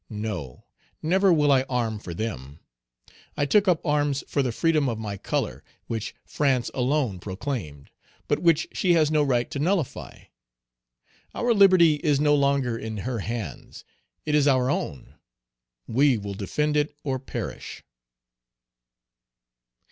No! never will I arm for them! I took up arms for the freedom of my color, which France alone proclaimed, but which she has no right to nullify. Our liberty is no longer in her hands; it is our own! We will defend it or perish."